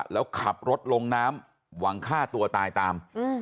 แล้วขับรถลงน้ำหวังฆ่าตัวตายตาม